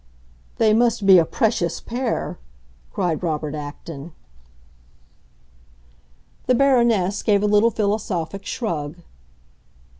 "They must be a precious pair!" cried Robert Acton. The Baroness gave a little philosophic shrug.